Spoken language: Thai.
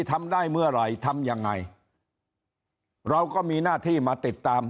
ทำได้เมื่อไหร่ทำยังไงเราก็มีหน้าที่มาติดตาม